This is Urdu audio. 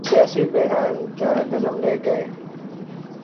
تو سیاسی بحران جنم لے گا۔